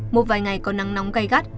một vài ngày có nắng nóng gây gắt